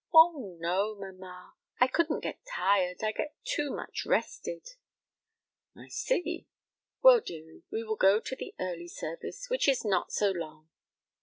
"Oh, no, mamma; I couldn't get tired; I get too much rested." "I see. Well, dearie, we will go to the early service, which is not so long."